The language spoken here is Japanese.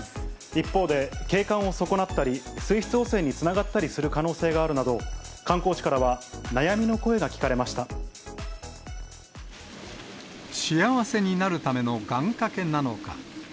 一方で、景観を損なったり、水質汚染につながったりする可能性があるなど、観光地からは悩み幸せになるための願かけなのか。